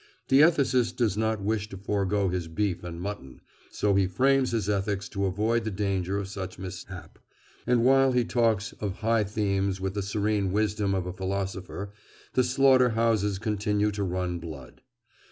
The ethicist does not wish to forego his beef and mutton, so he frames his ethics to avoid the danger of such mishap, and while he talks of high themes with the serene wisdom of a philosopher the slaughter houses continue to run blood.